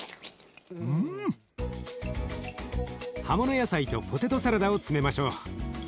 葉物野菜とポテトサラダを詰めましょう。